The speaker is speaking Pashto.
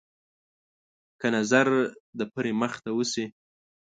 که نظر د پري مخ ته وشي.